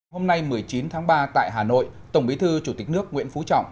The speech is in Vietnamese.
hôm nay một mươi chín tháng ba tại hà nội tổng bí thư chủ tịch nước nguyễn phú trọng